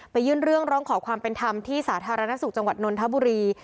ไปยื่นเรื่องร้องขอความเป็นทำที่สาธารณสุทธิ์จังหวัดนตร์ธับบุรี